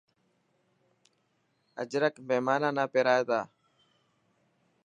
اجرڪ مهمان نا پيرائي تا.